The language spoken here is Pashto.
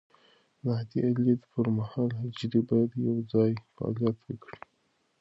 د عادي لید پر مهال، حجرې باید یوځای فعالیت وکړي.